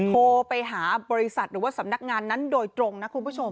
โทรไปหาบริษัทหรือว่าสำนักงานนั้นโดยตรงนะคุณผู้ชม